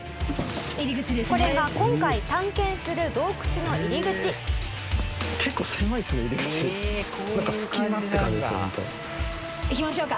「これが今回探検する洞窟の入り口」行きましょうか。